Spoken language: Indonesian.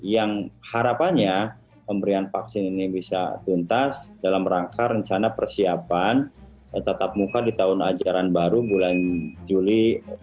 yang harapannya pemberian vaksin ini bisa tuntas dalam rangka rencana persiapan tatap muka di tahun ajaran baru bulan juli